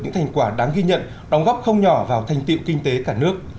những thành quả đáng ghi nhận đóng góp không nhỏ vào thành tiệu kinh tế cả nước